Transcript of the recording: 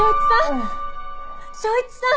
昇一さん！？